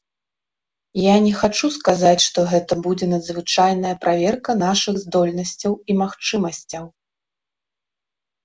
Я не хачу сказаць, што гэта будзе надзвычайная праверка нашых здольнасцяў і магчымасцяў.